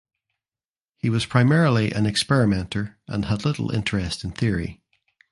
He was primarily an experimenter and had little interest in theory.